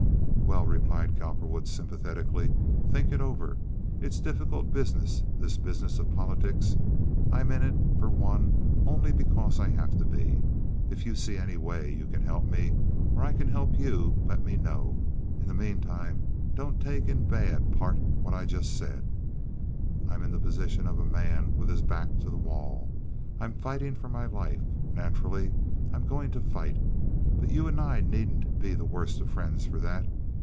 "Well," replied Cowperwood, sympathetically, "think it over. It's difficult business, this business of politics. I'm in it, for one, only because I have to be. If you see any way you can help me, or I can help you, let me know. In the mean time don't take in bad part what I've just said. I'm in the position of a man with his hack to the wall. I'm fighting for my life. Naturally, I'm going to fight. But you and I needn't be the worse friends for that.